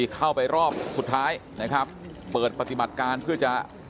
เข้าไปรอบสุดท้ายนะครับเปิดปฏิบัติการเพื่อจะ